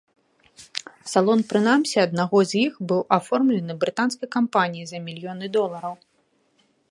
Салон прынамсі аднаго з іх быў аформлены брытанскай кампаніяй за мільёны долараў.